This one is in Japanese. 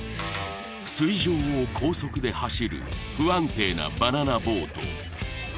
水上を高速で走る不安定なバナナボート